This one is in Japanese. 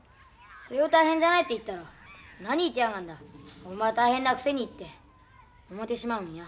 それを大変じゃないって言ったら「何言ってやがんだほんまは大変なくせに」って思うてしまうんや。